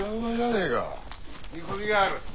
見込みがある。